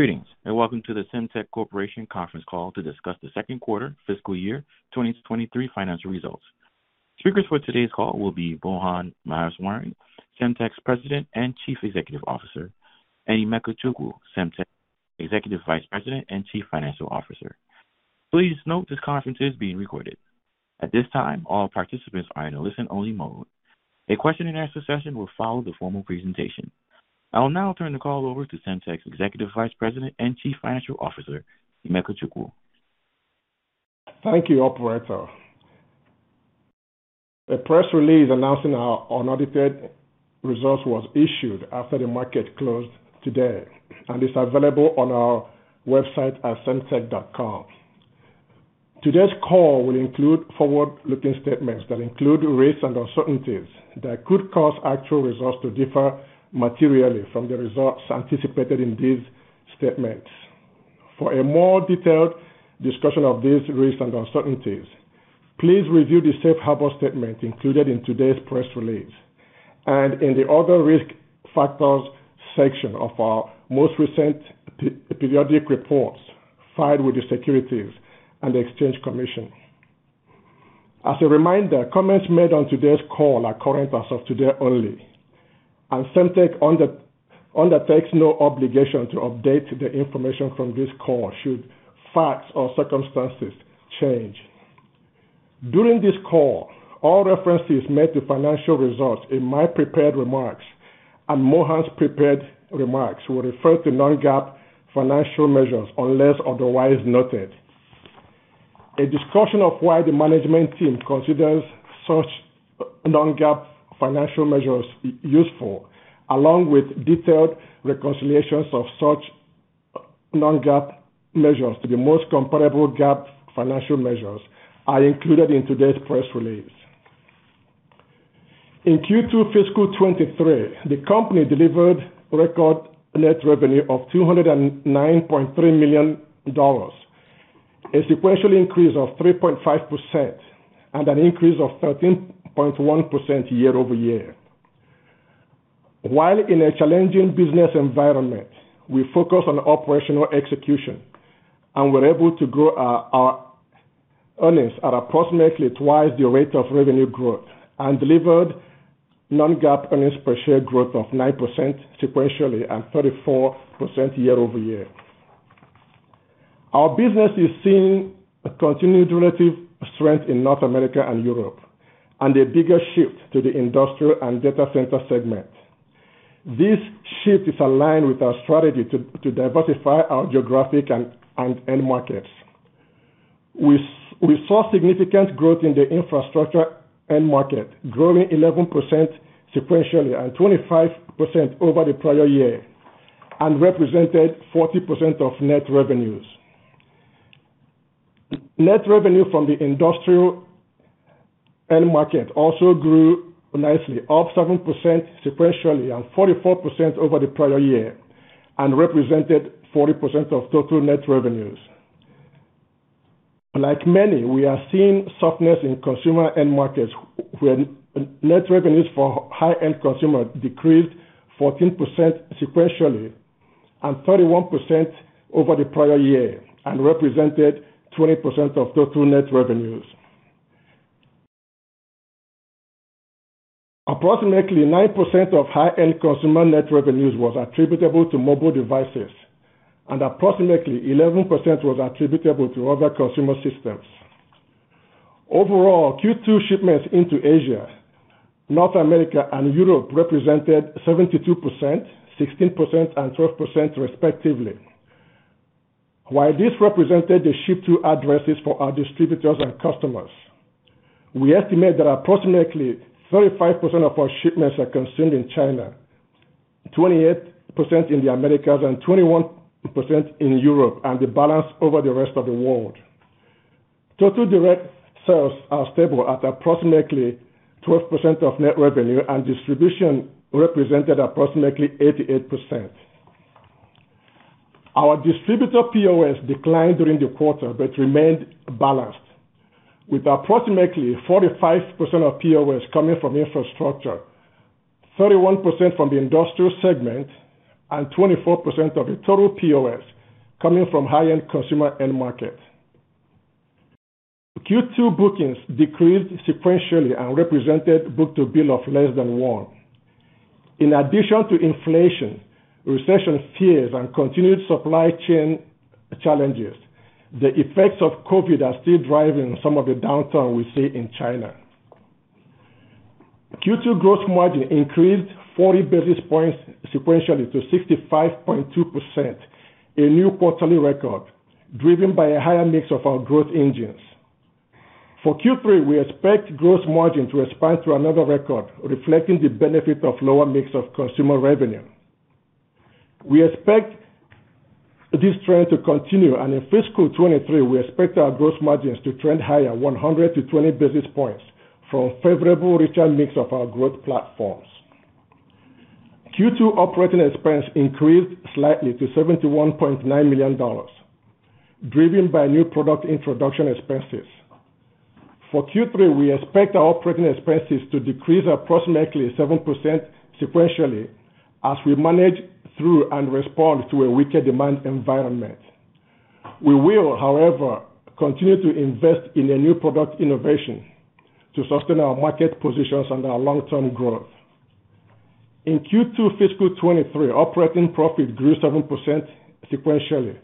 Greetings, welcome to the Semtech Corporation conference call to discuss the Second Quarter Fiscal Year 2023 financial results. Speakers for today's call will be Mohan Maheswaran, Semtech's President and Chief Executive Officer, and Emeka Chukwu, Semtech's Executive Vice President and Chief Financial Officer. Please note this conference is being recorded. At this time, all participants are in a listen-only mode. A question and answer session will follow the formal presentation. I will now turn the call over to Semtech's Executive Vice President and Chief Financial Officer, Emeka Chukwu. Thank you, operator. A press release announcing our unaudited results was issued after the market closed today and is available on our website at semtech.com. Today's call will include forward-looking statements that include risks and uncertainties that could cause actual results to differ materially from the results anticipated in these statements. For a more detailed discussion of these risks and uncertainties, please review the safe harbor statement included in today's press release and in the Other Risk Factors section of our most recent periodic reports filed with the Securities and Exchange Commission. As a reminder, comments made on today's call are current as of today only, and Semtech undertakes no obligation to update the information from this call should facts or circumstances change. During this call, all references made to financial results in my prepared remarks and Mohan's prepared remarks will refer to non-GAAP financial measures unless otherwise noted. A discussion of why the management team considers such non-GAAP financial measures useful, along with detailed reconciliations of such non-GAAP measures to the most comparable GAAP financial measures, are included in today's press release. In Q2 fiscal 2023, the company delivered record net revenue of $209.3 million, a sequential increase of 3.5% and an increase of 13.1% year-over-year. While in a challenging business environment, we focus on operational execution, and we're able to grow our earnings at approximately twice the rate of revenue growth and delivered non-GAAP earnings per share growth of 9% sequentially and 34% year-over-year. Our business is seeing a continued relative strength in North America and Europe and a bigger shift to the industrial and data center segment. This shift is aligned with our strategy to diversify our geographic and end markets. We saw significant growth in the infrastructure end market, growing 11% sequentially and 25% over the prior year and represented 40% of net revenues. Net revenue from the industrial end market also grew nicely, up 7% sequentially and 44% over the prior year, and represented 40% of total net revenues. Like many, we are seeing softness in consumer end markets when net revenues for high-end consumer decreased 14% sequentially and 31% over the prior year and represented 20% of total net revenues. Approximately 9% of high-end consumer net revenues was attributable to mobile devices, and approximately 11% was attributable to other consumer systems. Overall, Q2 shipments into Asia, North America, and Europe represented 72%, 16%, and 12% respectively. While this represented the ship to addresses for our distributors and customers, we estimate that approximately 35% of our shipments are consumed in China, 28% in the Americas, and 21% in Europe, and the balance over the rest of the world. Total direct sales are stable at approximately 12% of net revenue, and distribution represented approximately 88%. Our distributor POS declined during the quarter but remained balanced, with approximately 45% of POS coming from infrastructure, 31% from the industrial segment, and 24% of the total POS coming from high-end consumer end market. Q2 bookings decreased sequentially and represented book-to-bill of less than one. In addition to inflation, recession fears, and continued supply chain challenges, the effects of COVID are still driving some of the downturn we see in China. Q2 gross margin increased 40 basis points sequentially to 65.2%, a new quarterly record driven by a higher mix of our growth engines. For Q3, we expect gross margin to expand to another record, reflecting the benefit of lower mix of consumer revenue. We expect this trend to continue, and in fiscal 2023, we expect our gross margins to trend higher 100-120 basis points from favorable richer mix of our growth platforms. Q2 operating expense increased slightly to $71.9 million, driven by new product introduction expenses. For Q3, we expect our operating expenses to decrease approximately 7% sequentially as we manage through and respond to a weaker demand environment. We will, however, continue to invest in the new product innovation to sustain our market positions and our long-term growth. In Q2 fiscal 2023, operating profit grew 7% sequentially,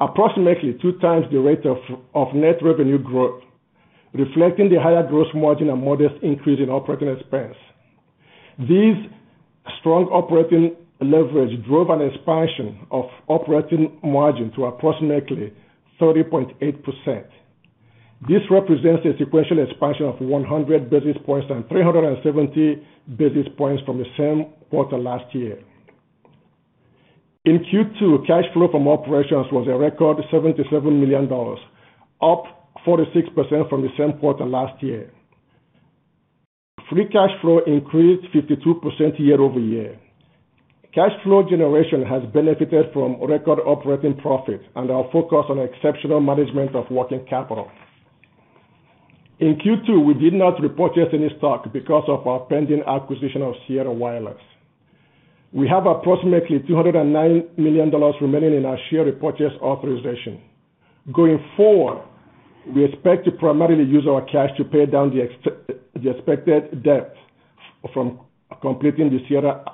approximately two times the rate of net revenue growth, reflecting the higher gross margin and modest increase in operating expense. These strong operating leverage drove an expansion of operating margin to approximately 30.8%. This represents a sequential expansion of 100 basis points and 370 basis points from the same quarter last year. In Q2, cash flow from operations was a record $77 million, up 46% from the same quarter last year. Free cash flow increased 52% year over year. Cash flow generation has benefited from record operating profit and our focus on exceptional management of working capital. In Q2, we did not report any stock because of our pending acquisition of Sierra Wireless. We have approximately $209 million remaining in our share repurchase authorization. Going forward, we expect to primarily use our cash to pay down the expected debt from completing the Sierra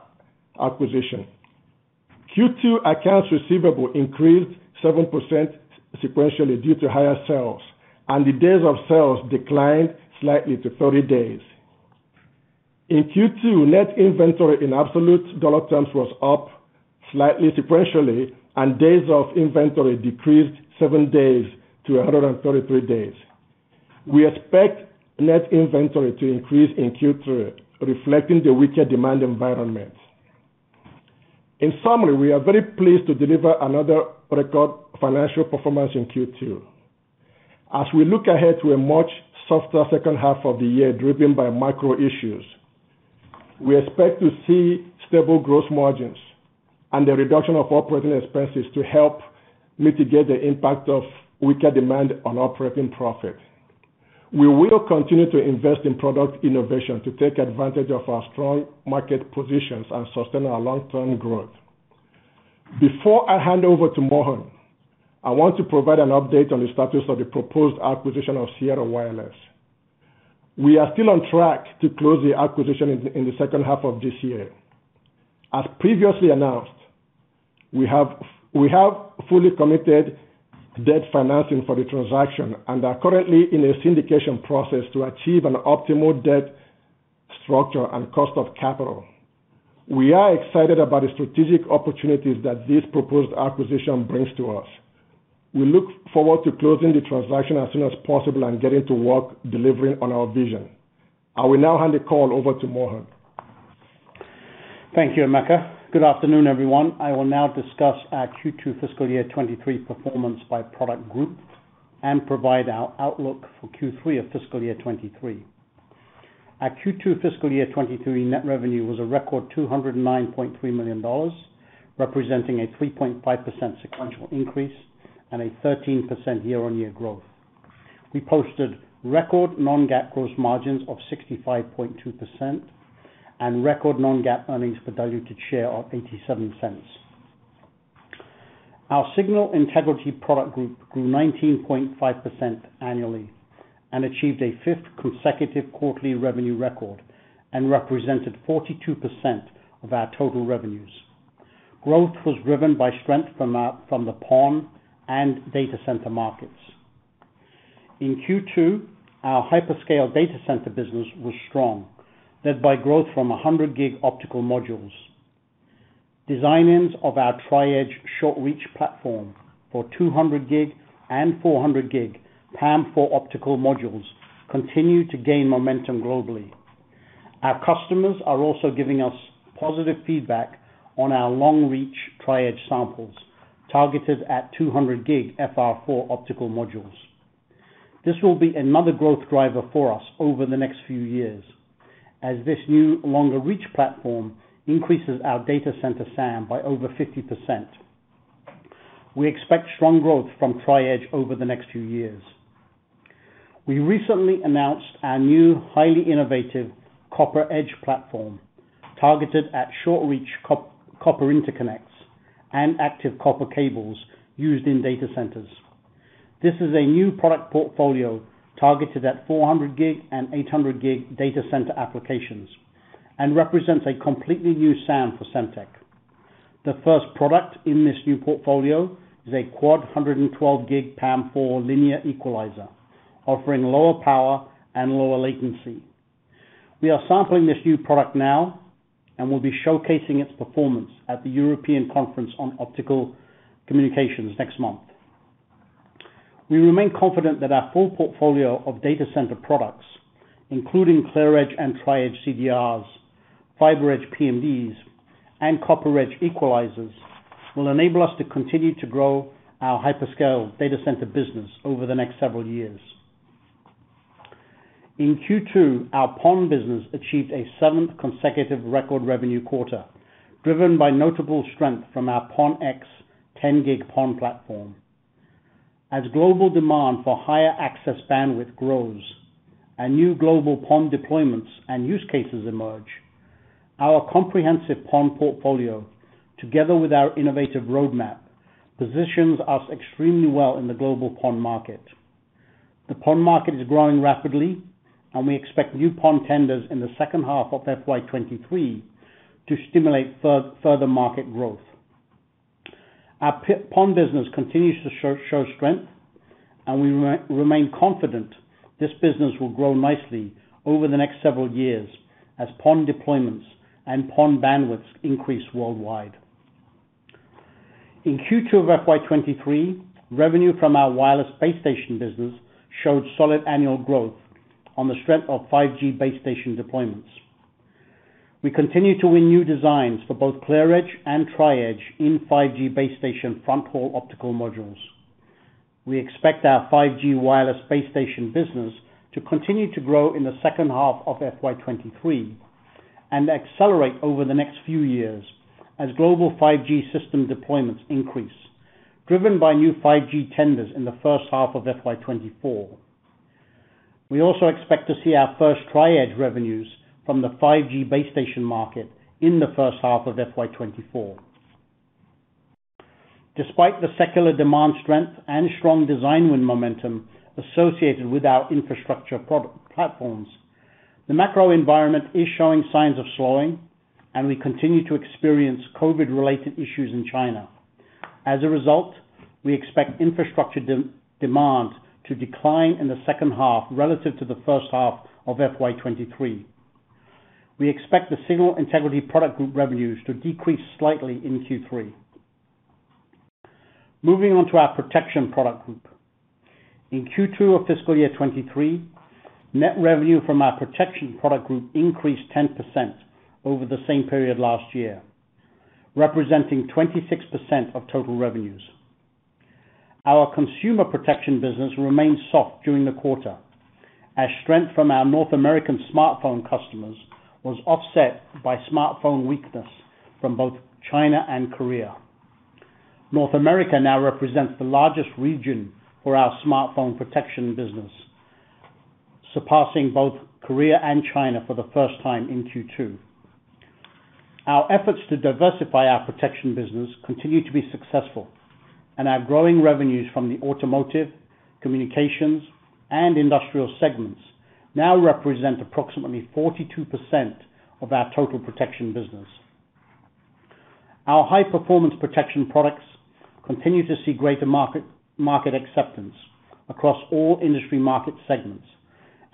acquisition. Q2 accounts receivable increased 7% sequentially due to higher sales, and the days of sales declined slightly to 30 days. In Q2, net inventory in absolute dollar terms was up slightly sequentially, and days of inventory decreased seven days to 133 days. We expect net inventory to increase in Q3, reflecting the weaker demand environment. In summary, we are very pleased to deliver another record financial performance in Q2. As we look ahead to a much softer second half of the year driven by macro issues, we expect to see stable gross margins and the reduction of operating expenses to help mitigate the impact of weaker demand on operating profit. We will continue to invest in product innovation to take advantage of our strong market positions and sustain our long-term growth. Before I hand over to Mohan, I want to provide an update on the status of the proposed acquisition of Sierra Wireless. We are still on track to close the acquisition in the second half of this year. As previously announced, we have fully committed debt financing for the transaction and are currently in a syndication process to achieve an optimal debt structure and cost of capital. We are excited about the strategic opportunities that this proposed acquisition brings to us. We look forward to closing the transaction as soon as possible and getting to work delivering on our vision. I will now hand the call over to Mohan. Thank you, Emeka. Good afternoon, everyone. I will now discuss our Q2 fiscal year 2023 performance by product group and provide our outlook for Q3 of fiscal year 2023. Our Q2 fiscal year 2023 net revenue was a record $209.3 million, representing a 3.5% sequential increase and a 13% year-on-year growth. We posted record non-GAAP gross margins of 65.2% and record non-GAAP earnings per diluted share of $0.87. Our signal integrity product group grew 19.5% annually and achieved a 5th consecutive quarterly revenue record and represented 42% of our total revenues. Growth was driven by strength from the PON and data center markets. In Q2, our hyperscale data center business was strong, led by growth from 100 gig optical modules. Design wins of our Tri-Edge short reach platform for 200 gig and 400 gig PAM4 optical modules continue to gain momentum globally. Our customers are also giving us positive feedback on our long reach Tri-Edge samples targeted at 200 gig FR4 optical modules. This will be another growth driver for us over the next few years, as this new longer reach platform increases our data center SAM by over 50%. We expect strong growth from Tri-Edge over the next few years. We recently announced our new highly innovative CopperEdge platform, targeted at short reach copper interconnects and active copper cables used in data centers. This is a new product portfolio targeted at 400 gig and 800 gig data center applications and represents a completely new SAM for Semtech. The first product in this new portfolio is a quad 112G PAM4 linear equalizer, offering lower power and lower latency. We are sampling this new product now and will be showcasing its performance at the European Conference on Optical Communications next month. We remain confident that our full portfolio of data center products, including ClearEdge and Tri-Edge CDRs, FiberEdge PMDs, and CopperEdge equalizers, will enable us to continue to grow our hyperscale data center business over the next several years. In Q2, our PON business achieved a seventh consecutive record revenue quarter. Driven by notable strength from our PON-X 10G PON platform. As global demand for higher access bandwidth grows and new global PON deployments and use cases emerge, our comprehensive PON portfolio, together with our innovative roadmap, positions us extremely well in the global PON market. The PON market is growing rapidly, and we expect new PON tenders in the second half of FY 2023 to stimulate further market growth. Our PON business continues to show strength, and we remain confident this business will grow nicely over the next several years as PON deployments and PON bandwidths increase worldwide. In Q2 of FY 2023, revenue from our wireless base station business showed solid annual growth on the strength of 5G base station deployments. We continue to win new designs for both ClearEdge and Tri-Edge in 5G base station front haul optical modules. We expect our 5G wireless base station business to continue to grow in the second half of FY 2023 and accelerate over the next few years as global 5G system deployments increase, driven by new 5G tenders in the first half of FY 2024. We also expect to see our first Tri-Edge revenues from the 5G base station market in the first half of FY 2024. Despite the secular demand strength and strong design win momentum associated with our infrastructure product platforms, the macro environment is showing signs of slowing, and we continue to experience COVID-related issues in China. As a result, we expect infrastructure demand to decline in the second half relative to the first half of FY 2023. We expect the signal integrity product group revenues to decrease slightly in Q3. Moving on to our protection product group. In Q2 of fiscal year 2023, net revenue from our protection product group increased 10% over the same period last year, representing 26% of total revenues. Our consumer protection business remained soft during the quarter as strength from our North American smartphone customers was offset by smartphone weakness from both China and Korea. North America now represents the largest region for our smartphone protection business, surpassing both Korea and China for the first time in Q2. Our efforts to diversify our protection business continue to be successful, and our growing revenues from the automotive, communications, and industrial segments now represent approximately 42% of our total protection business. Our high-performance protection products continue to see greater market acceptance across all industry market segments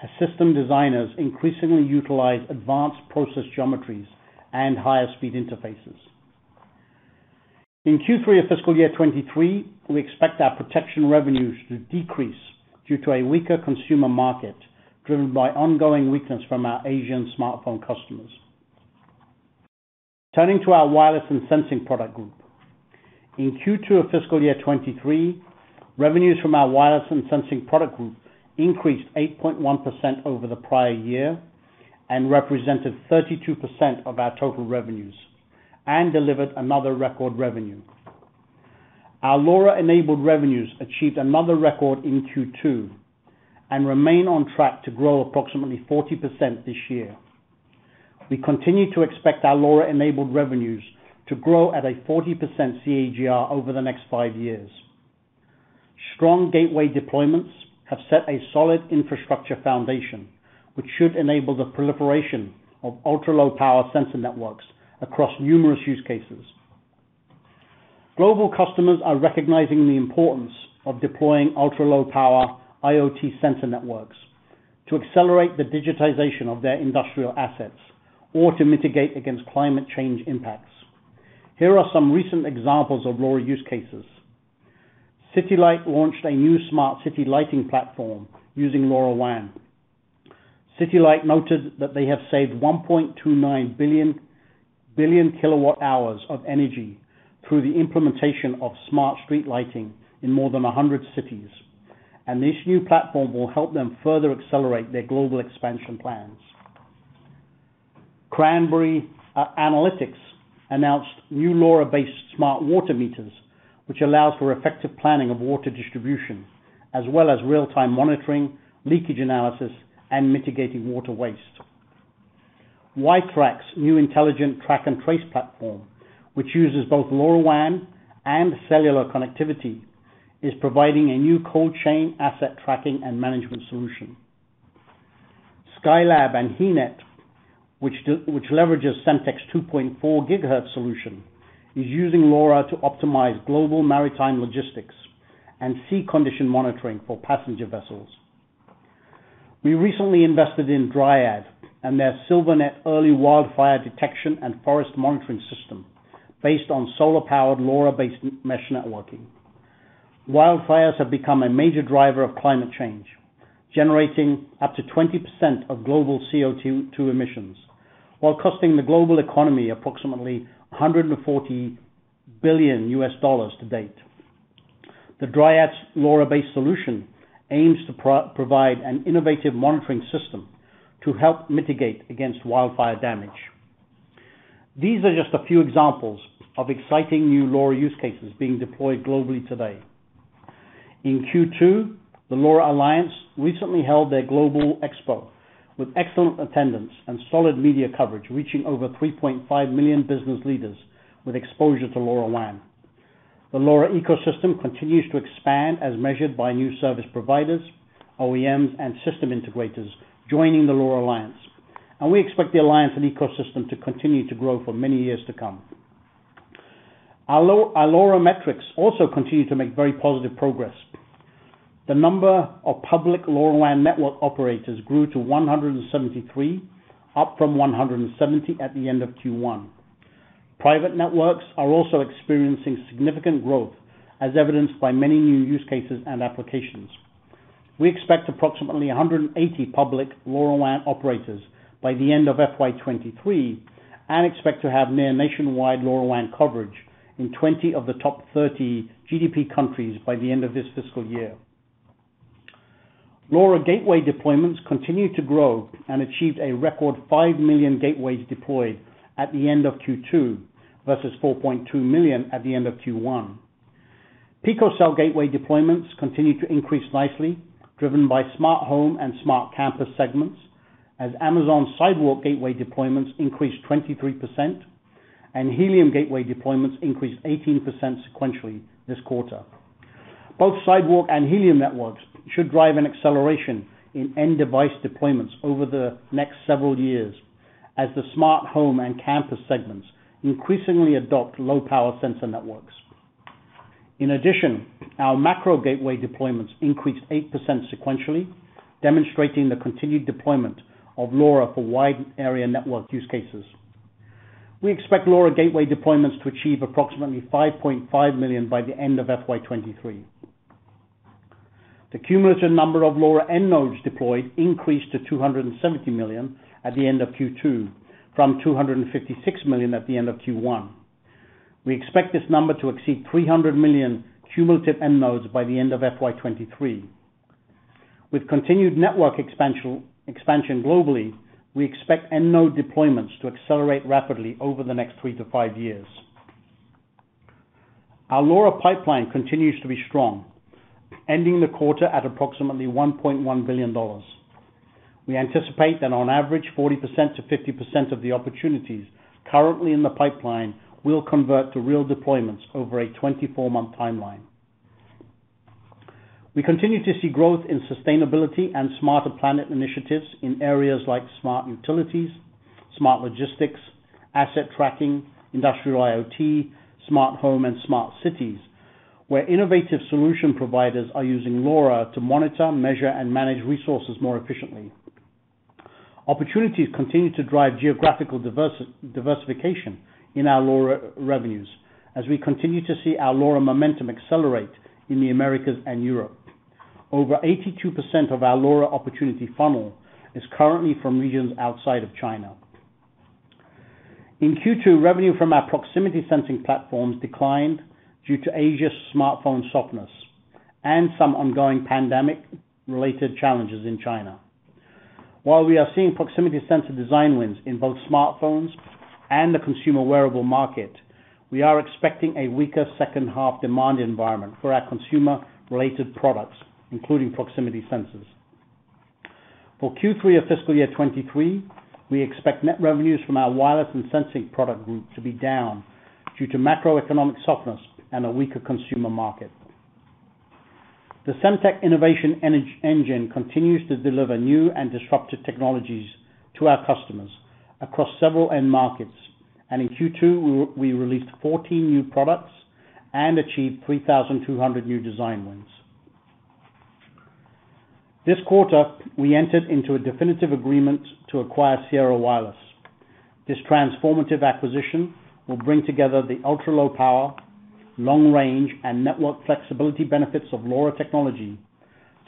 as system designers increasingly utilize advanced process geometries and higher speed interfaces. In Q3 of fiscal year 2023, we expect our protection revenues to decrease due to a weaker consumer market driven by ongoing weakness from our Asian smartphone customers. Turning to our wireless and sensing product group. In Q2 of fiscal year 2023, revenues from our wireless and sensing product group increased 8.1% over the prior year and represented 32% of our total revenues and delivered another record revenue. Our LoRa-enabled revenues achieved another record in Q2 and remain on track to grow approximately 40% this year. We continue to expect our LoRa-enabled revenues to grow at a 40% CAGR over the next five years. Strong gateway deployments have set a solid infrastructure foundation, which should enable the proliferation of ultra-low power sensor networks across numerous use cases. Global customers are recognizing the importance of deploying ultra-low power IoT sensor networks to accelerate the digitization of their industrial assets or to mitigate against climate change impacts. Here are some recent examples of LoRa use cases. CITiLIGHT launched a new smart city lighting platform using LoRaWAN. CITiLIGHT noted that they have saved 1.29 billion kWh of energy through the implementation of smart street lighting in more than 100 cities, and this new platform will help them further accelerate their global expansion plans. Cranberry Analytics announced new LoRa-based smart water meters, which allows for effective planning of water distribution as well as real-time monitoring, leakage analysis, and mitigating water waste. WITRAC's new intelligent track and trace platform, which uses both LoRaWAN and cellular connectivity, is providing a new cold chain asset tracking and management solution. SkyLab and HeNet, which leverages Semtech's 2.4 GHz solution, is using LoRa to optimize global maritime logistics and sea condition monitoring for passenger vessels. We recently invested in Dryad and their Silvanet early wildfire detection and forest monitoring system based on solar-powered LoRa-based mesh networking. Wildfires have become a major driver of climate change, generating up to 20% of global CO2 emissions while costing the global economy approximately $140 billion to date. The Dryad's LoRa-based solution aims to provide an innovative monitoring system to help mitigate against wildfire damage. These are just a few examples of exciting new LoRa use cases being deployed globally today. In Q2, the LoRa Alliance recently held their global expo with excellent attendance and solid media coverage, reaching over 3.5 million business leaders with exposure to LoRaWAN. The LoRa ecosystem continues to expand as measured by new service providers, OEMs, and system integrators joining the LoRa Alliance, and we expect the alliance and ecosystem to continue to grow for many years to come. Our LoRa metrics also continue to make very positive progress. The number of public LoRaWAN network operators grew to 173, up from 170 at the end of Q1. Private networks are also experiencing significant growth, as evidenced by many new use cases and applications. We expect approximately 180 public LoRaWAN operators by the end of FY 2023 and expect to have near nationwide LoRaWAN coverage in 20 of the top 30 GDP countries by the end of this fiscal year. LoRa gateway deployments continued to grow and achieved a record 5 million gateways deployed at the end of Q2 versus 4.2 million at the end of Q1. Picocell gateway deployments continued to increase nicely, driven by smart home and smart campus segments as Amazon Sidewalk gateway deployments increased 23% and Helium gateway deployments increased 18% sequentially this quarter. Both Sidewalk and Helium networks should drive an acceleration in end device deployments over the next several years as the smart home and campus segments increasingly adopt low-power sensor networks. In addition, our macro gateway deployments increased 8% sequentially, demonstrating the continued deployment of LoRa for wide area network use cases. We expect LoRa gateway deployments to achieve approximately 5.5 million by the end of FY 2023. The cumulative number of LoRa end nodes deployed increased to 270 million at the end of Q2 from 256 million at the end of Q1. We expect this number to exceed 300 million cumulative end nodes by the end of FY 2023. With continued network expansion globally, we expect end node deployments to accelerate rapidly over the next three to five years. Our LoRa pipeline continues to be strong, ending the quarter at approximately $1.1 billion. We anticipate that on average, 40%-50% of the opportunities currently in the pipeline will convert to real deployments over a 24-month timeline. We continue to see growth in sustainability and smarter planet initiatives in areas like smart utilities, smart logistics, asset tracking, industrial IoT, smart home, and smart cities, where innovative solution providers are using LoRa to monitor, measure, and manage resources more efficiently. Opportunities continue to drive geographical diversification in our LoRa revenues as we continue to see our LoRa momentum accelerate in the Americas and Europe. Over 82% of our LoRa opportunity funnel is currently from regions outside of China. In Q2, revenue from our proximity sensing platforms declined due to Asia's smartphone softness and some ongoing pandemic-related challenges in China. While we are seeing proximity sensor design wins in both smartphones and the consumer wearable market, we are expecting a weaker second half demand environment for our consumer-related products, including proximity sensors. For Q3 of fiscal year 2023, we expect net revenues from our wireless and sensing product group to be down due to macroeconomic softness and a weaker consumer market. The Semtech innovation engine continues to deliver new and disruptive technologies to our customers across several end markets, and in Q2, we released 14 new products and achieved 3,200 new design wins. This quarter, we entered into a definitive agreement to acquire Sierra Wireless. This transformative acquisition will bring together the ultra-low power, long range, and network flexibility benefits of LoRa technology,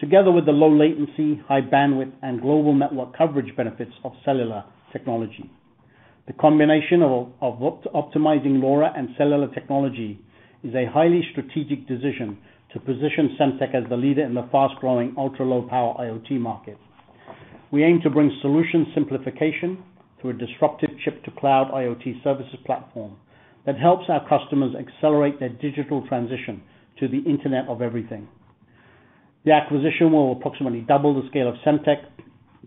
together with the low latency, high bandwidth, and global network coverage benefits of cellular technology. The combination of optimizing LoRa and cellular technology is a highly strategic decision to position Semtech as the leader in the fast-growing ultra-low power IoT market. We aim to bring solution simplification through a disruptive chip to cloud IoT services platform that helps our customers accelerate their digital transition to the Internet of Everything. The acquisition will approximately double the scale of Semtech,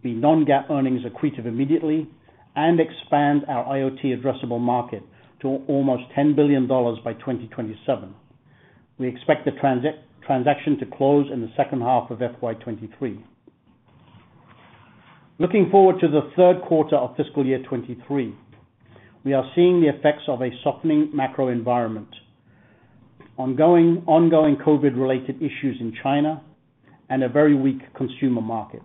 the non-GAAP earnings accretive immediately, and expand our IoT addressable market to almost $10 billion by 2027. We expect the transaction to close in the second half of FY 2023. Looking forward to the third quarter of fiscal year 2023, we are seeing the effects of a softening macro environment, ongoing COVID-related issues in China, and a very weak consumer market.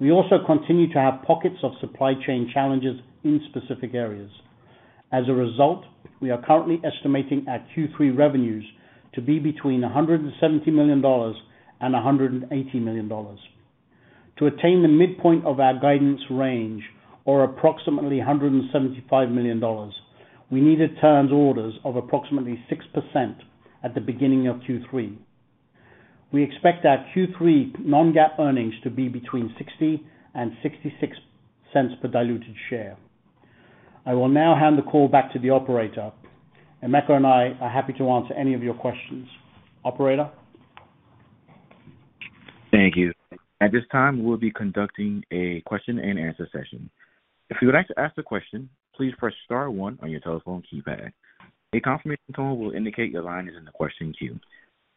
We also continue to have pockets of supply chain challenges in specific areas. As a result, we are currently estimating our Q3 revenues to be between $170 million and $180 million. To attain the midpoint of our guidance range, or approximately $175 million, we needed turns orders of approximately 6% at the beginning of Q3. We expect our Q3 non-GAAP earnings to be between $0.60 and $0.66 per diluted share. I will now hand the call back to the operator. Emeka and I are happy to answer any of your questions. Operator? Thank you. At this time, we'll be conducting a question-and-answer session. If you would like to ask a question, please press star one on your telephone keypad. A confirmation tone will indicate your line is in the question queue.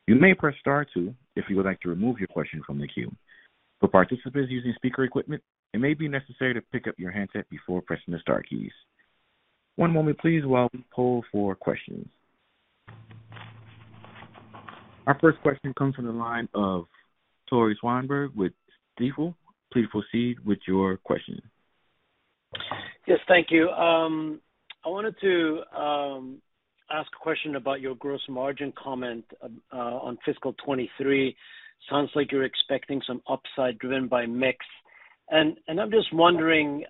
You may press star two if you would like to remove your question from the queue. For participants using speaker equipment, it may be necessary to pick up your handset before pressing the star keys. One moment please while we poll for questions. Our first question comes from the line of Tore Svanberg with Stifel. Please proceed with your question. Yes, thank you. I wanted to ask a question about your gross margin comment on fiscal 2023. Sounds like you're expecting some upside driven by mix. I'm just wondering,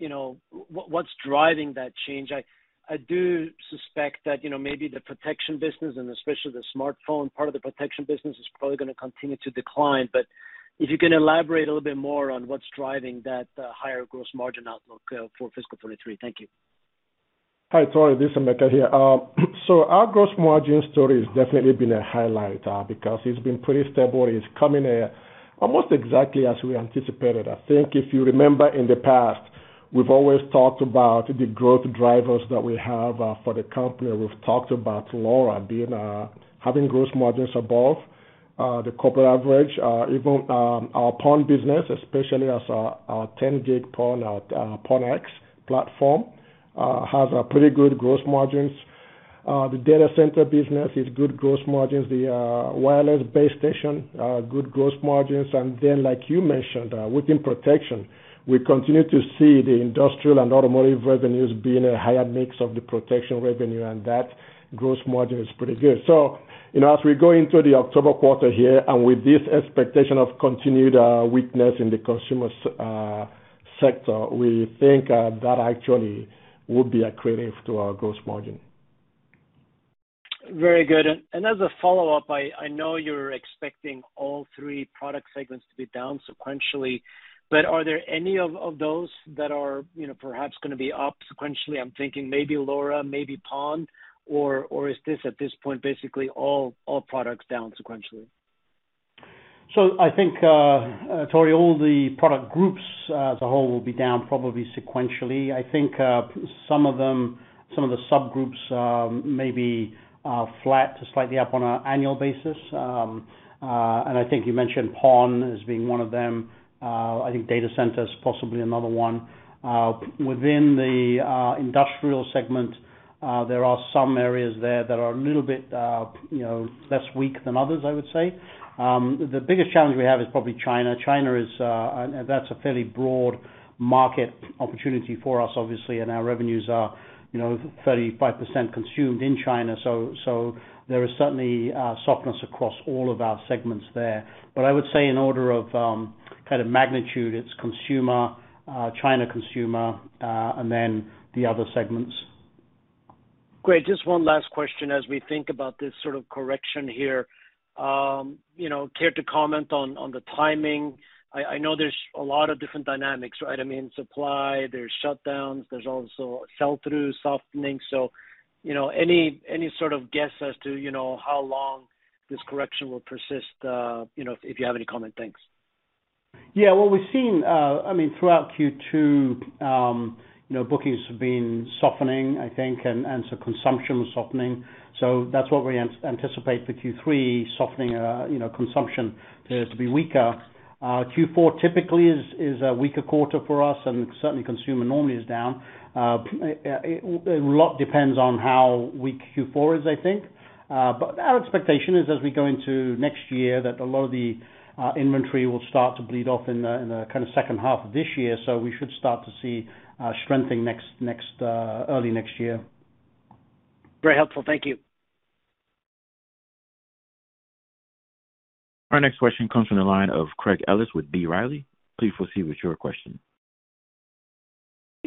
you know, what's driving that change? I do suspect that, you know, maybe the protection business and especially the smartphone part of the protection business is probably gonna continue to decline. If you can elaborate a little bit more on what's driving that higher gross margin outlook for fiscal 2023. Thank you. Hi, Tore. This is Emeka here. Our gross margin story has definitely been a highlight, because it's been pretty stable. It's coming almost exactly as we anticipated. I think if you remember in the past, we've always talked about the growth drivers that we have for the company. We've talked about LoRa being having gross margins above the corporate average. Even our PON business, especially our 10G PON-X platform, has a pretty good gross margins. The data center business is good gross margins, the wireless base station good gross margins. Like you mentioned, within protection, we continue to see the industrial and automotive revenues being a higher mix of the protection revenue, and that gross margin is pretty good. you know, as we go into the October quarter here and with this expectation of continued weakness in the consumer sector, we think that actually would be accretive to our gross margin. Very good. As a follow-up, I know you're expecting all three product segments to be down sequentially, but are there any of those that are, you know, perhaps gonna be up sequentially? I'm thinking maybe LoRa, maybe PON or is this at this point, basically all products down sequentially? I think, Tore, all the product groups, as a whole will be down probably sequentially. I think, some of them, some of the subgroups, may be flat to slightly up on an annual basis. I think you mentioned PON as being one of them. I think data center is possibly another one. Within the industrial segment, there are some areas there that are a little bit, you know, less weak than others, I would say. The biggest challenge we have is probably China. China is, and that's a fairly broad market opportunity for us, obviously, and our revenues are, you know, 35% consumed in China. There is certainly softness across all of our segments there. I would say in order of kind of magnitude, it's consumer, China consumer, and then the other segments. Great. Just one last question as we think about this sort of correction here. You know, care to comment on the timing? I know there's a lot of different dynamics, right? I mean, supply, there's shutdowns, there's also sell through softening. You know, any sort of guess as to, you know, how long this correction will persist, you know, if you have any comment? Thanks. Yeah. What we've seen, I mean, throughout Q2, you know, bookings have been softening, I think, and so consumption was softening. That's what we anticipate for Q3, softening, you know, consumption to be weaker. Q4 typically is a weaker quarter for us and certainly consumer normally is down. A lot depends on how weak Q4 is, I think. Our expectation is as we go into next year, that a lot of the inventory will start to bleed off in the kind of second half of this year. We should start to see strengthening early next year. Very helpful. Thank you. Our next question comes from the line of Craig Ellis with B. Riley. Please proceed with your question.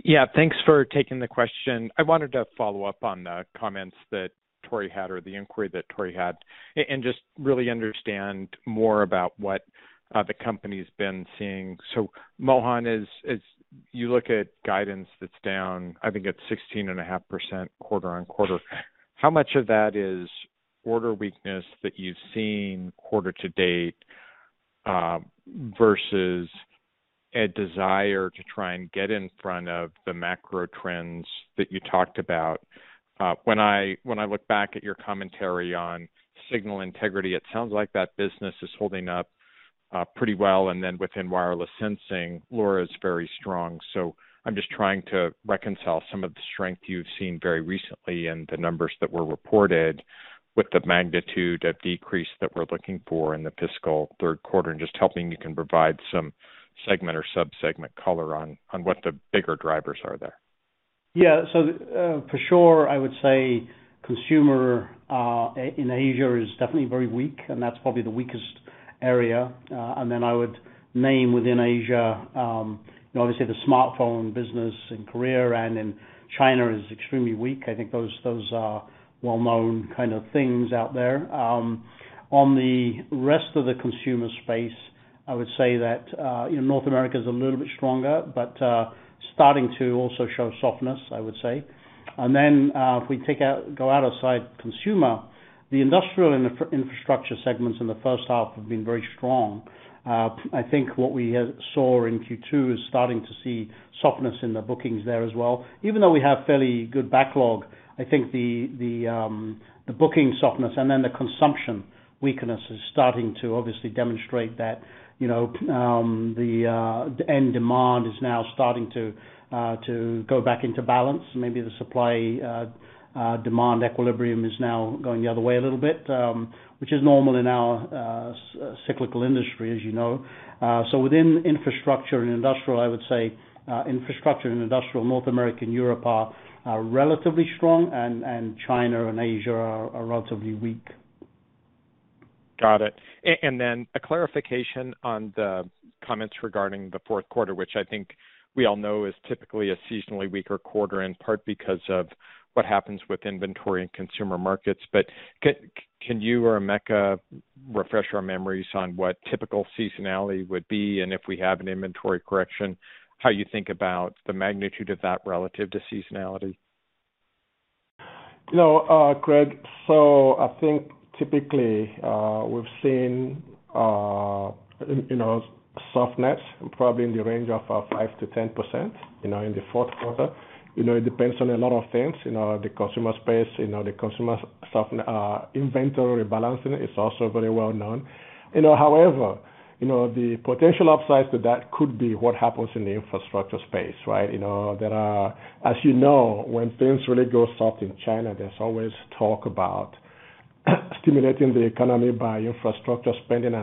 Yeah, thanks for taking the question. I wanted to follow up on the comments that Tore had or the inquiry that Tore had, and just really understand more about what the company's been seeing. Mohan, as you look at guidance that's down, I think it's 16.5% quarter-over-quarter. How much of that is order weakness that you've seen quarter to date, versus a desire to try and get in front of the macro trends that you talked about? When I look back at your commentary on signal integrity, it sounds like that business is holding up pretty well. Then within wireless sensing, LoRa is very strong. I'm just trying to reconcile some of the strength you've seen very recently and the numbers that were reported with the magnitude of decrease that we're looking for in the fiscal third quarter, and just helping me can provide some segment or sub-segment color on what the bigger drivers are there. Yeah, for sure, I would say consumer in Asia is definitely very weak, and that's probably the weakest area. I would name within Asia, you know, obviously the smartphone business in Korea and in China is extremely weak. I think those are well-known kind of things out there. On the rest of the consumer space, I would say that, you know, North America is a little bit stronger, but starting to also show softness, I would say. If we go outside consumer, the industrial infrastructure segments in the first half have been very strong. I think what we have saw in Q2 is starting to see softness in the bookings there as well. Even though we have fairly good backlog, I think the booking softness and then the consumption weakness is starting to obviously demonstrate that, you know, the end demand is now starting to go back into balance. Maybe the supply-demand equilibrium is now going the other way a little bit, which is normal in our cyclical industry, as you know. Within infrastructure and industrial, I would say, infrastructure and industrial North America and Europe are relatively strong and China and Asia are relatively weak. Got it. A clarification on the comments regarding the fourth quarter, which I think we all know is typically a seasonally weaker quarter, in part because of what happens with inventory and consumer markets. Can you or Emeka refresh our memories on what typical seasonality would be, and if we have an inventory correction, how you think about the magnitude of that relative to seasonality? No, Craig. I think typically we've seen you know, softness probably in the range of 5%-10% you know, in the fourth quarter. You know, it depends on a lot of things. You know, the consumer space, you know, the consumer inventory balancing is also very well known. You know, however, you know, the potential upside to that could be what happens in the infrastructure space, right? You know, As you know, when things really go soft in China, there's always talk about stimulating the economy by infrastructure spending.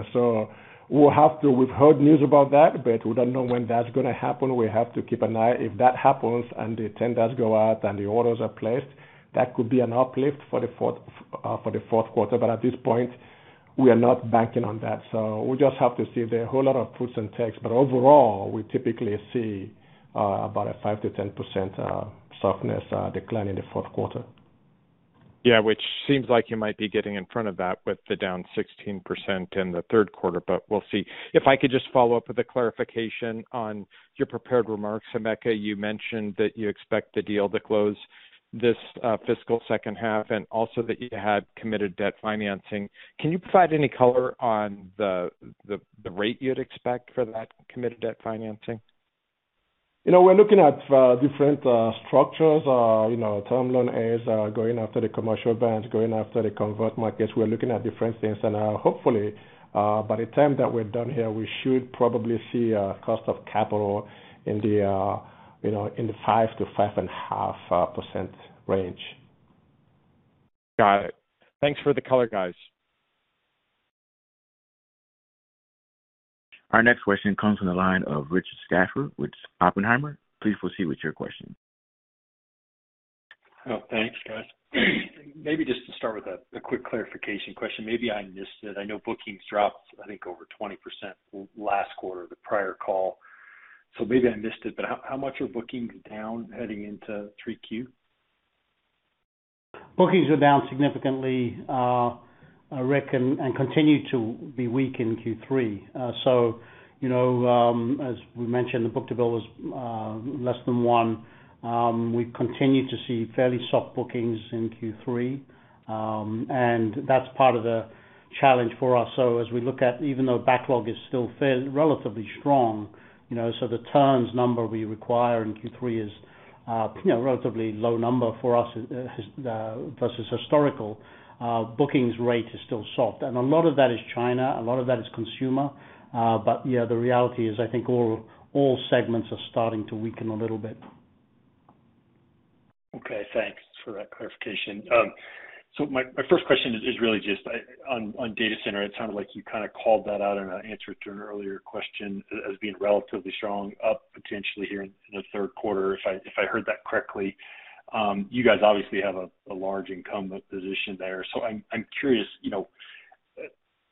We've heard news about that, but we don't know when that's gonna happen. We have to keep an eye. If that happens and the tenders go out and the orders are placed, that could be an uplift for the fourth quarter. At this point, we are not banking on that. We just have to see. There are a whole lot of twists and turns. Overall, we typically see about a 5%-10% softness decline in the fourth quarter. Yeah. Which seems like you might be getting in front of that with the down 16% in the third quarter, but we'll see. If I could just follow up with a clarification on your prepared remarks. Emeka, you mentioned that you expect the deal to close this fiscal second half and also that you had committed debt financing. Can you provide any color on the rate you'd expect for that committed debt financing? You know, we're looking at different structures. You know, Term Loan A, going after the commercial banks, going after the convert markets. We're looking at different things. Hopefully, by the time that we're done here, we should probably see a cost of capital in the, you know, in the 5%-5.5% range. Got it. Thanks for the color, guys. Our next question comes from the line of Richard Schafer with Oppenheimer. Please proceed with your question. Oh, thanks, guys. Maybe just to start with a quick clarification question. Maybe I missed it. I know bookings dropped, I think over 20% last quarter, the prior call, so maybe I missed it. But how much are bookings down heading into 3Q? Bookings are down significantly, Rick, and continue to be weak in Q3. You know, as we mentioned, the book-to-bill was less than one. We continue to see fairly soft bookings in Q3. That's part of the challenge for us. As we look at even though backlog is still relatively strong, you know, the turns number we require in Q3 is, you know, relatively low number for us versus historical. Bookings rate is still soft, and a lot of that is China, a lot of that is consumer. Yeah, the reality is I think all segments are starting to weaken a little bit. Okay, thanks for that clarification. My first question is really just on data center. It sounded like you kinda called that out in an answer to an earlier question as being relatively strong, up potentially here in the third quarter, if I heard that correctly. You guys obviously have a large incumbent position there. I'm curious, you know,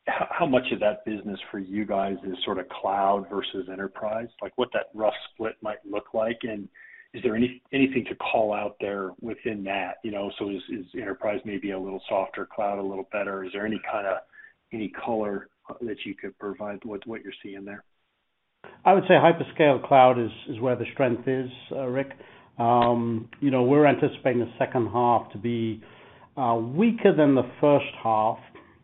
how much of that business for you guys is sort of cloud versus enterprise. Like, what that rough split might look like, and is there anything to call out there within that? You know, is enterprise maybe a little softer, cloud a little better? Is there any color that you could provide with what you're seeing there? I would say hyperscale cloud is where the strength is, Rick. You know, we're anticipating the second half to be weaker than the first half,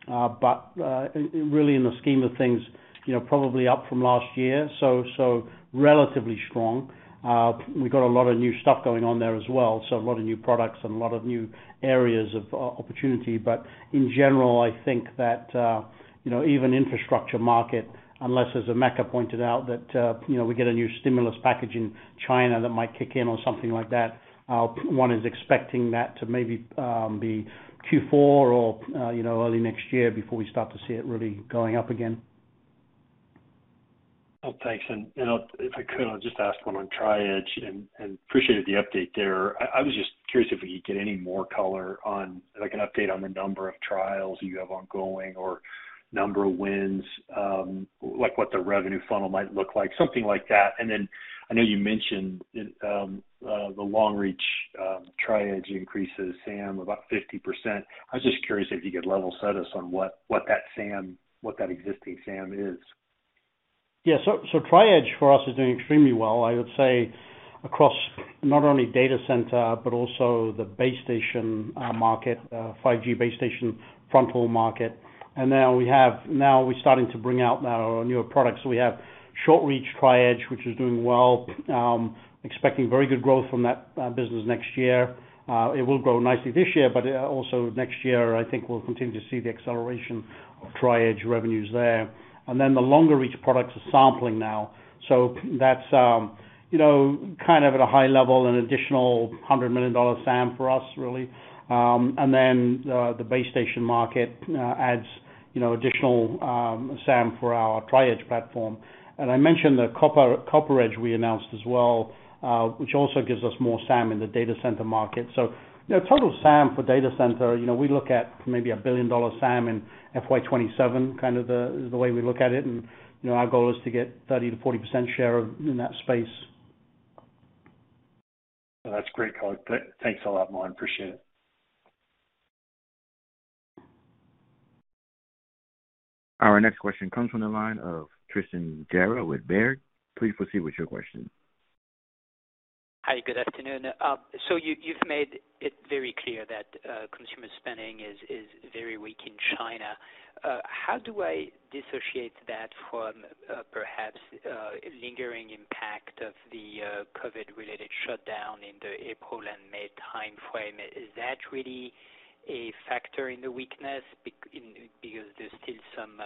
but really in the scheme of things, you know, probably up from last year, so relatively strong. We've got a lot of new stuff going on there as well, so a lot of new products and a lot of new areas of opportunity. But in general, I think that, you know, even infrastructure market, unless, as Emeka pointed out, you know, we get a new stimulus package in China that might kick in or something like that, one is expecting that to maybe be Q4 or, you know, early next year before we start to see it really going up again. Oh, thanks. I'll just ask one on Tri-Edge and appreciated the update there. I was just curious if we could get any more color on, like an update on the number of trials you have ongoing or number of wins, like what the revenue funnel might look like, something like that. I know you mentioned it, the long reach Tri-Edge increases SAM about 50%. I was just curious if you could level set us on what that existing SAM is. Yeah. Tri-Edge for us is doing extremely well, I would say, across not only data center, but also the base station market, 5G base station fronthaul market. Now we're starting to bring out our newer products. We have short reach Tri-Edge, which is doing well, expecting very good growth from that business next year. It will grow nicely this year, but also next year, I think we'll continue to see the acceleration of Tri-Edge revenues there. Then the longer reach products are sampling now. That's you know kind of at a high level, an additional $100 million SAM for us really. Then the base station market adds you know additional SAM for our Tri-Edge platform. I mentioned the CopperEdge we announced as well, which also gives us more SAM in the data center market. You know, total SAM for data center, you know, we look at maybe a $1 billion SAM in FY 2027, kind of the way we look at it. You know, our goal is to get 30%-40% share in that space. That's great color. Thanks a lot, Mohan. Appreciate it. Our next question comes from the line of Tristan Gerra with Baird. Please proceed with your question. Hi, good afternoon. You've made it very clear that consumer spending is very weak in China. How do I dissociate that from perhaps lingering impact of the COVID-related shutdown in the April and May timeframe? Is that really a factor in the weakness because there's still some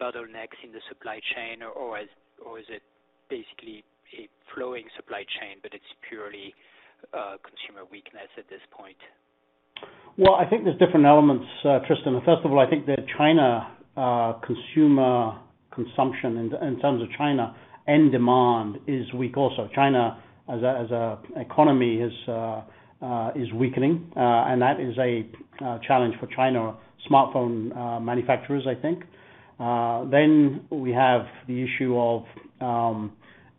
bottlenecks in the supply chain, or is it basically a flowing supply chain, but it's purely consumer weakness at this point? Well, I think there's different elements, Tristan Gerra. First of all, I think the Chinese consumer consumption in terms of Chinese end demand is weak also. Chinese economy is weakening, and that is a challenge for Chinese smartphone manufacturers, I think. We have the issue of,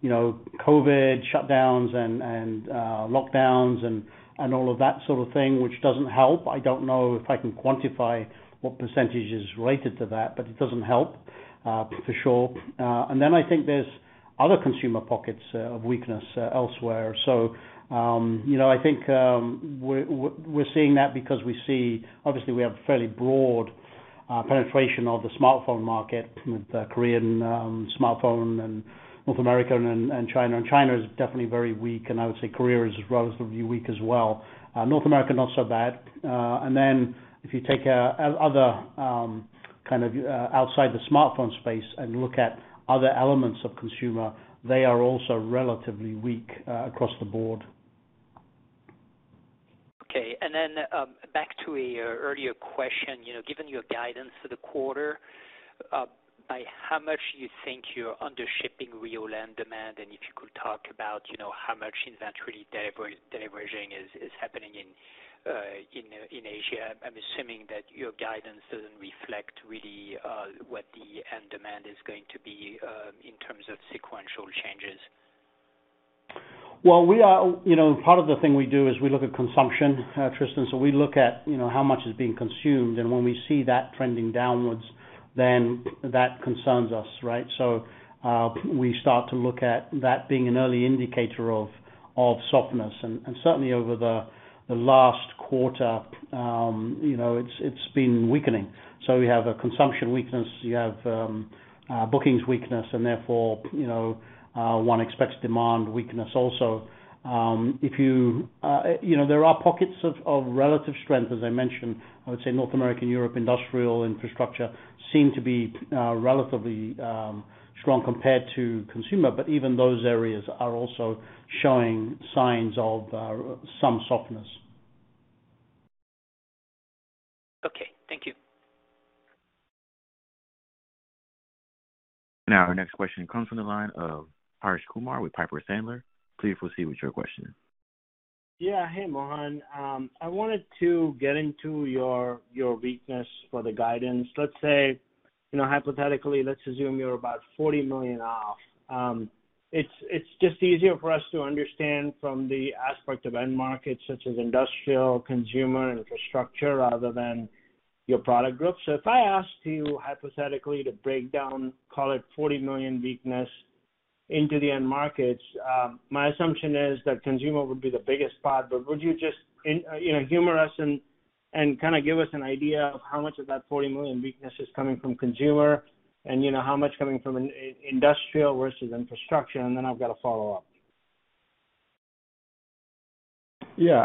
you know, COVID shutdowns and lockdowns and all of that sort of thing, which doesn't help. I don't know if I can quantify what percentage is related to that, but it doesn't help for sure. I think there's other consumer pockets of weakness elsewhere. You know, I think we're seeing that because we see obviously we have fairly broad penetration of the smartphone market with the Korean smartphone and North America and China. China is definitely very weak, and I would say Korea is relatively weak as well. North America, not so bad. If you take other kind of outside the smartphone space and look at other elements of consumer, they are also relatively weak across the board. Okay. Back to an earlier question. You know, given your guidance for the quarter, by how much you think you're under shipping real end demand, and if you could talk about, you know, how much inventory deleveraging is happening in Asia. I'm assuming that your guidance doesn't reflect really what the end demand is going to be, in terms of sequential changes. Well, you know, part of the thing we do is we look at consumption, Tristan. We look at, you know, how much is being consumed, and when we see that trending downwards, then that concerns us, right? We start to look at that being an early indicator of softness. Certainly over the last quarter, you know, it's been weakening. We have a consumption weakness, you have bookings weakness, and therefore, you know, one expects demand weakness also. You know, there are pockets of relative strength as I mentioned. I would say North America, Europe industrial infrastructure seem to be relatively strong compared to consumer, but even those areas are also showing signs of some softness. Okay. Thank you. Now our next question comes from the line of Harsh Kumar with Piper Sandler. Please proceed with your question. Yeah. Hey, Mohan. I wanted to get into your weakness for the guidance. Let's say, you know, hypothetically, let's assume you're about $40 million off. It's just easier for us to understand from the aspect of end markets such as industrial, consumer, infrastructure, rather than your product group. If I asked you hypothetically to break down, call it $40 million weakness into the end markets, my assumption is that consumer would be the biggest part. Would you just, you know, humor us and kinda give us an idea of how much of that $40 million weakness is coming from consumer and, you know, how much coming from industrial versus infrastructure? Then I've got a follow-up. Yeah.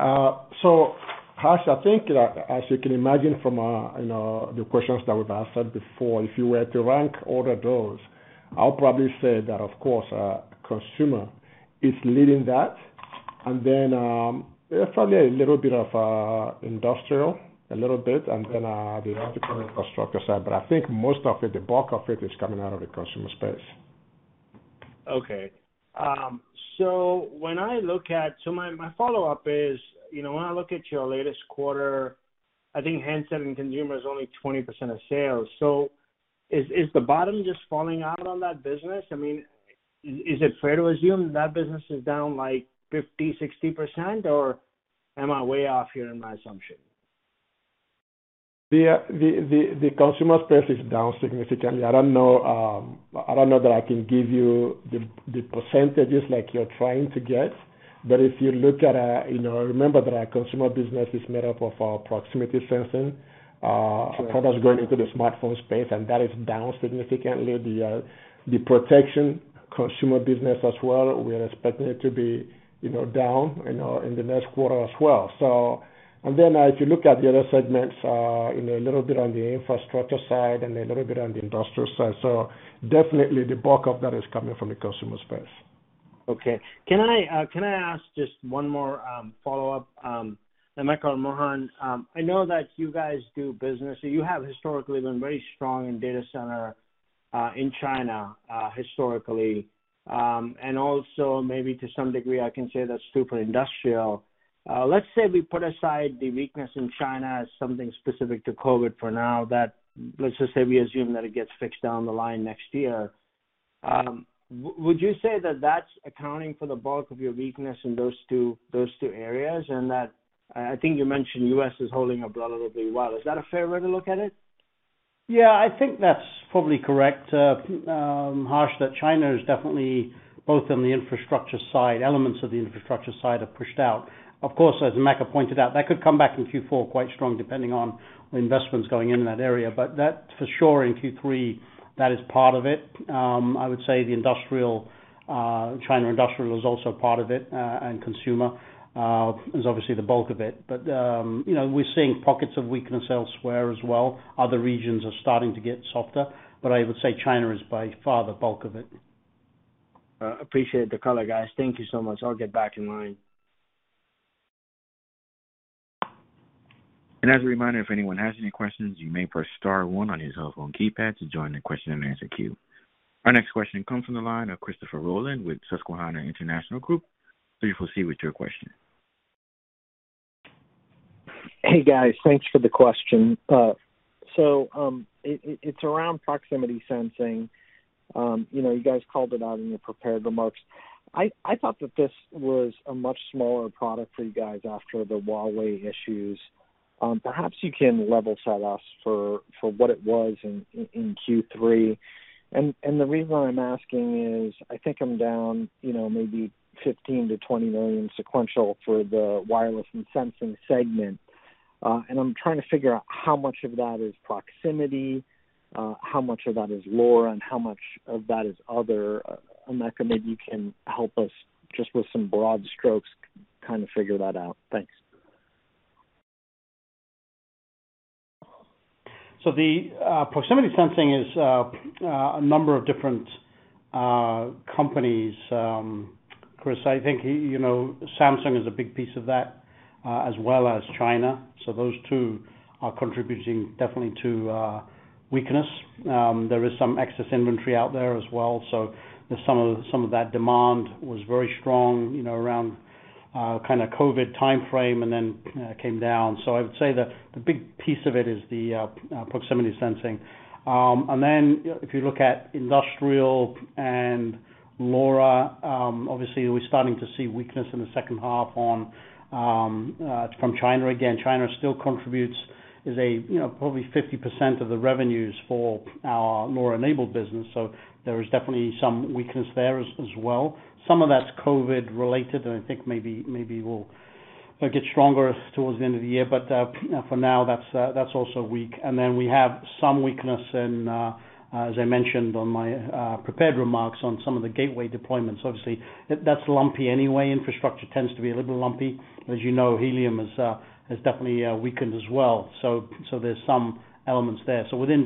Harsh, I think, as you can imagine from, you know, the questions that we've answered before, if you were to rank all of those, I'll probably say that of course, consumer is leading that. Probably a little bit of industrial, a little bit, and then the optical infrastructure side. I think most of it, the bulk of it is coming out of the consumer space. My follow-up is, you know, when I look at your latest quarter, I think handset and consumer is only 20% of sales. Is the bottom just falling out on that business? I mean, is it fair to assume that business is down like 50%, 60%, or am I way off here in my assumption? The consumer space is down significantly. I don't know that I can give you the percentages like you're trying to get. If you look at, you know, remember that our consumer business is made up of our proximity sensing products going into the smartphone space, and that is down significantly. The protection consumer business as well, we are expecting it to be, you know, down, you know, in the next quarter as well. If you look at the other segments, you know, a little bit on the infrastructure side and a little bit on the industrial side. Definitely the bulk of that is coming from the consumer space. Okay. Can I ask just one more follow-up to Emeka or Mohan? I know that you guys do business or you have historically been very strong in data center in China historically, and also maybe to some degree, I can say that's true for industrial. Let's say we put aside the weakness in China as something specific to COVID for now that let's just say we assume that it gets fixed down the line next year. Would you say that that's accounting for the bulk of your weakness in those two areas and that I think you mentioned U.S. is holding up relatively well. Is that a fair way to look at it? Yeah, I think that's probably correct, Harsh, that China is definitely both on the infrastructure side, elements of the infrastructure side have pushed out. Of course, as Emeka pointed out, that could come back in Q4 quite strong depending on the investments going into that area. That for sure in Q3, that is part of it. I would say the industrial, China industrial is also part of it, and consumer is obviously the bulk of it. You know, we're seeing pockets of weakness elsewhere as well. Other regions are starting to get softer, but I would say China is by far the bulk of it. Appreciate the color, guys. Thank you so much. I'll get back in line. As a reminder, if anyone has any questions, you may press star one on your cell phone keypad to join the question and answer queue. Our next question comes from the line of Christopher Rolland with Susquehanna International Group. Please proceed with your question. Hey, guys. Thanks for the question. It's around proximity sensing. You know, you guys called it out in your prepared remarks. I thought that this was a much smaller product for you guys after the Huawei issues. Perhaps you can level set us for what it was in Q3. The reason why I'm asking is I think I'm down, you know, maybe $15 million-$20 million sequential for the wireless and sensing segment. I'm trying to figure out how much of that is proximity, how much of that is LoRa and how much of that is other. Emeka, maybe you can help us just with some broad strokes, kind of figure that out. Thanks. The proximity sensing is a number of different companies. Chris, I think you know, Samsung is a big piece of that, as well as China. Those two are contributing definitely to weakness. There is some excess inventory out there as well. Some of that demand was very strong, you know, around kinda COVID timeframe and then came down. I would say that the big piece of it is the proximity sensing. And then if you look at industrial and LoRa, obviously we're starting to see weakness in the second half from China again. China still contributes, as you know, probably 50% of the revenues for our LoRa-enabled business. There is definitely some weakness there as well. Some of that's COVID related, and I think maybe we'll get stronger towards the end of the year. You know, for now, that's also weak. We have some weakness in, as I mentioned on my prepared remarks on some of the gateway deployments. Obviously, that's lumpy anyway. Infrastructure tends to be a little lumpy. As you know, Helium has definitely weakened as well. There's some elements there. Within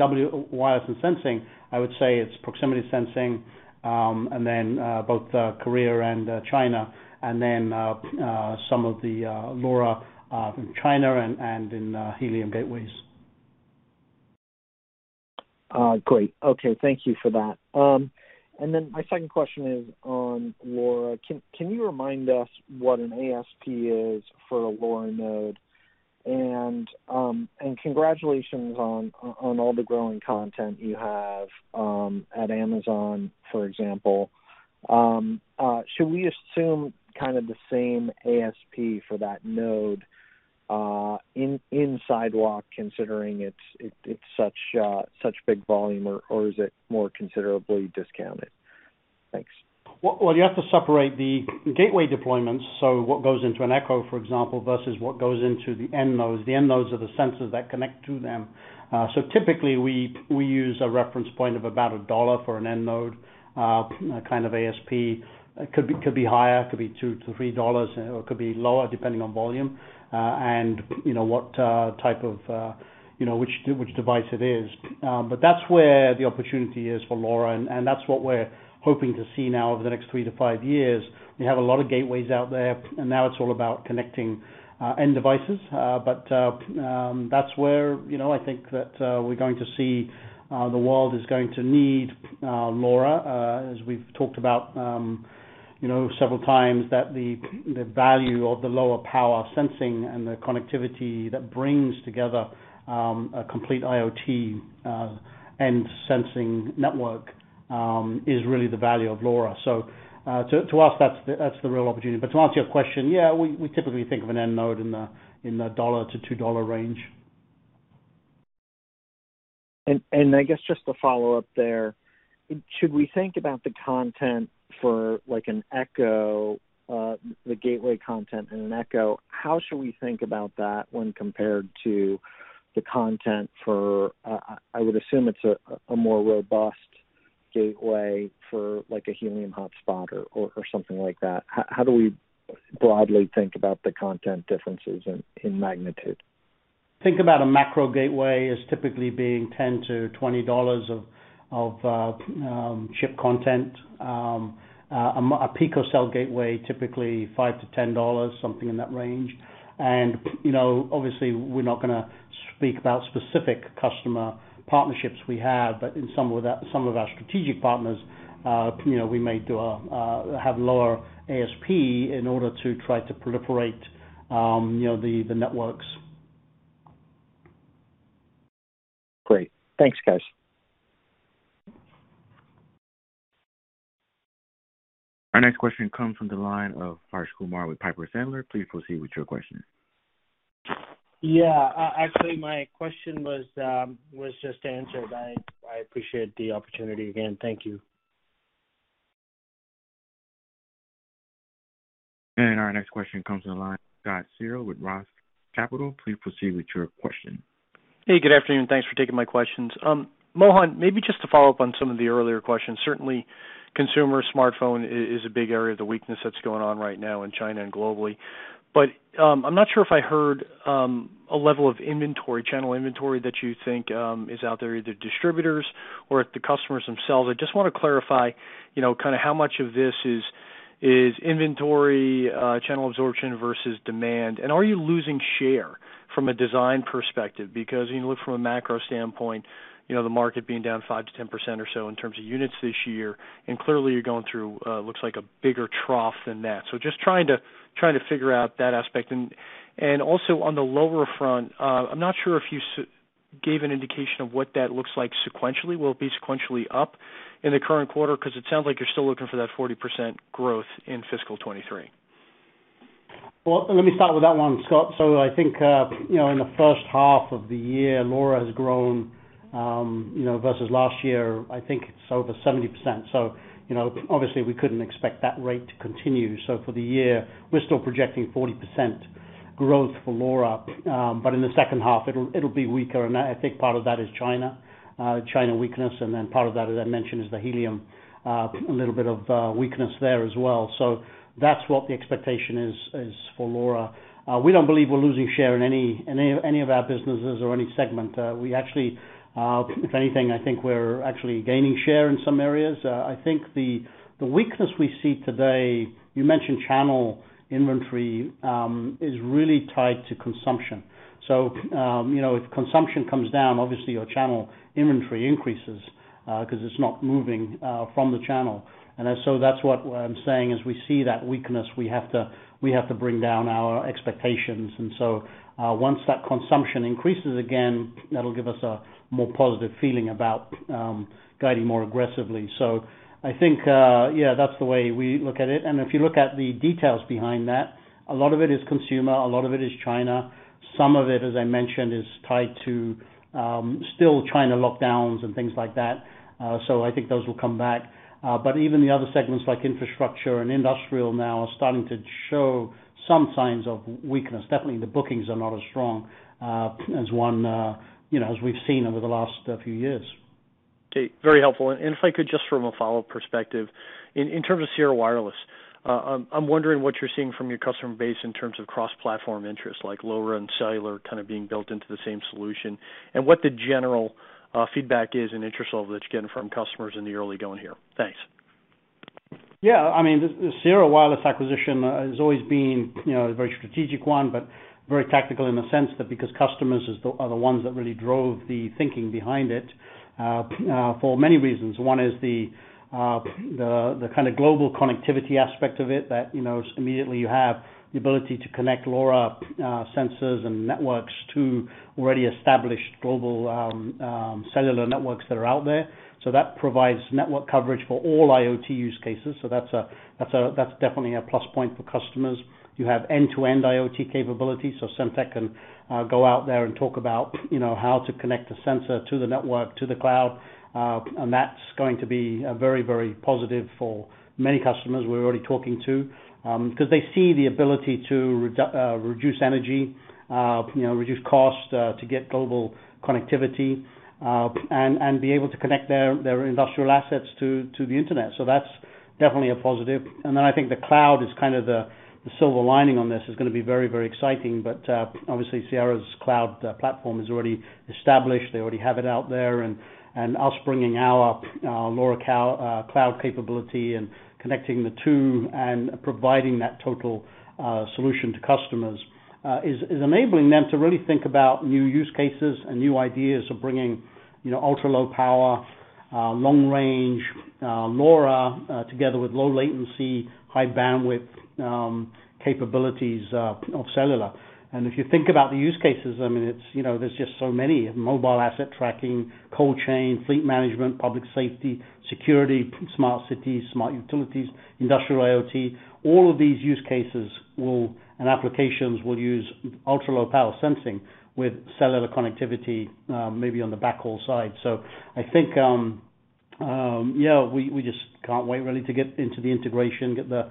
wireless and sensing, I would say it's proximity sensing, and then both Korea and China, and then some of the LoRa from China and in Helium gateways. Great. Okay. Thank you for that. Then my second question is on LoRa. Can you remind us what an ASP is for a LoRa node? Congratulations on all the growing content you have at Amazon, for example. Should we assume kind of the same ASP for that node in Sidewalk, considering it's such big volume, or is it more considerably discounted? Thanks. You have to separate the gateway deployments, so what goes into an Echo, for example, versus what goes into the end nodes. The end nodes are the sensors that connect to them. So typically we use a reference point of about a dollar for an end node, kind of ASP. It could be higher, $2-$3, or it could be lower depending on volume, and you know, what type of, you know, which device it is. That's where the opportunity is for LoRa, and that's what we're hoping to see now over the next three to five years. We have a lot of gateways out there, and now it's all about connecting end devices. That's where, you know, I think that we're going to see the world is going to need LoRa as we've talked about. You know, several times that the value of the lower power sensing and the connectivity that brings together a complete IoT and sensing network is really the value of LoRa. To us, that's the real opportunity. To answer your question, yeah, we typically think of an end node in the $1-$2 range. I guess just to follow up there, should we think about the content for like an Echo, the gateway content in an Echo, how should we think about that when compared to the content for, I would assume it's a more robust gateway for like a Helium hotspot or something like that. How do we broadly think about the content differences in magnitude? Think about a macro gateway as typically being $10-$20 of chip content. A picocell gateway, typically $5-$10, something in that range. You know, obviously, we're not gonna speak about specific customer partnerships we have, but in some of our strategic partners, you know, we may have lower ASP in order to try to proliferate, you know, the networks. Great. Thanks, guys. Our next question comes from the line of Harsh Kumar with Piper Sandler. Please proceed with your question. Yeah. Actually, my question was just answered. I appreciate the opportunity again. Thank you. Our next question comes on the line, Scott Searle with Roth Capital. Please proceed with your question. Hey, good afternoon. Thanks for taking my questions. Mohan, maybe just to follow up on some of the earlier questions. Certainly, consumer smartphone is a big area of the weakness that's going on right now in China and globally. I'm not sure if I heard a level of inventory, channel inventory that you think is out there, either distributors or if the customers themselves. I just wanna clarify, you know, kinda how much of this is inventory channel absorption versus demand, and are you losing share from a design perspective? Because when you look from a macro standpoint, you know, the market being down 5%-10% or so in terms of units this year, and clearly you're going through, looks like, a bigger trough than that. Just trying to figure out that aspect. Also on the LoRa front, I'm not sure if you gave an indication of what that looks like sequentially. Will it be sequentially up in the current quarter? 'Cause it sounds like you're still looking for that 40% growth in fiscal 2023. Well, let me start with that one, Scott. I think, you know, in the first half of the year, LoRa has grown, you know, versus last year, I think it's over 70%. You know, obviously, we couldn't expect that rate to continue. For the year, we're still projecting 40% growth for LoRa. In the second half, it'll be weaker. I think part of that is China weakness, and then part of that, as I mentioned, is the Helium, a little bit of weakness there as well. That's what the expectation is for LoRa. We don't believe we're losing share in any of our businesses or any segment. We actually, if anything, I think we're actually gaining share in some areas. I think the weakness we see today, you mentioned channel inventory, is really tied to consumption. You know, if consumption comes down, obviously, your channel inventory increases 'cause it's not moving from the channel. That's what I'm saying, as we see that weakness, we have to bring down our expectations. Once that consumption increases again, that'll give us a more positive feeling about guiding more aggressively. I think yeah, that's the way we look at it. If you look at the details behind that, a lot of it is consumer, a lot of it is China. Some of it, as I mentioned, is tied to still China lockdowns and things like that. I think those will come back. Even the other segments, like infrastructure and industrial, now are starting to show some signs of weakness. Definitely, the bookings are not as strong, you know, as we've seen over the last few years. Okay. Very helpful. If I could just from a follow perspective. In terms of Sierra Wireless, I'm wondering what you're seeing from your customer base in terms of cross-platform interest, like LoRa and cellular kind of being built into the same solution, and what the general feedback is and interest level that you're getting from customers in the early going here. Thanks. Yeah. I mean, the Sierra Wireless acquisition has always been, you know, a very strategic one, but very tactical in the sense that because customers are the ones that really drove the thinking behind it, for many reasons. One is the kind of global connectivity aspect of it that, you know, just immediately you have the ability to connect LoRa sensors and networks to already established global cellular networks that are out there. So that provides network coverage for all IoT use cases. So that's definitely a plus point for customers. You have end-to-end IoT capabilities, so Semtech can go out there and talk about, you know, how to connect a sensor to the network, to the cloud, and that's going to be very, very positive for many customers we're already talking to. 'Cause they see the ability to reduce energy, you know, reduce cost, to get global connectivity, and be able to connect their industrial assets to the internet. That's definitely a positive. Then I think the cloud is kind of the silver lining on this. It's gonna be very, very exciting. Obviously, Sierra's cloud platform is already established. They already have it out there. Us bringing our LoRa Cloud capability and connecting the two and providing that total solution to customers is enabling them to really think about new use cases and new ideas of bringing, you know, ultra-low power long range LoRa together with low latency, high bandwidth capabilities of cellular. If you think about the use cases, I mean, it's, you know, there's just so many. Mobile asset tracking, cold chain, fleet management, public safety, security, smart cities, smart utilities, industrial IoT. All of these use cases and applications will use ultra-low power sensing with cellular connectivity, maybe on the backhaul side. I think, yeah, we just can't wait really to get into the integration, get the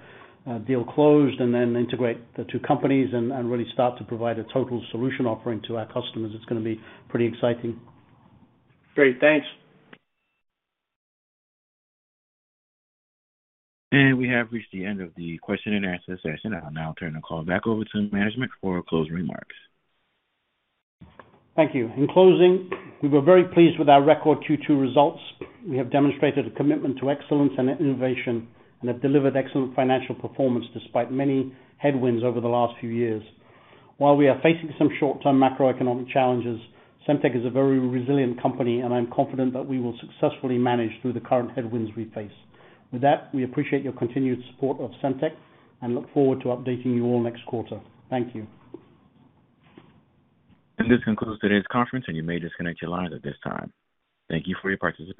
deal closed, and then integrate the two companies and really start to provide a total solution offering to our customers. It's gonna be pretty exciting. Great. Thanks. We have reached the end of the question and answer session. I'll now turn the call back over to management for closing remarks. Thank you. In closing, we were very pleased with our record Q2 results. We have demonstrated a commitment to excellence and innovation and have delivered excellent financial performance despite many headwinds over the last few years. While we are facing some short-term macroeconomic challenges, Semtech is a very resilient company, and I'm confident that we will successfully manage through the current headwinds we face. With that, we appreciate your continued support of Semtech and look forward to updating you all next quarter. Thank you. This concludes today's conference, and you may disconnect your lines at this time. Thank you for your participation.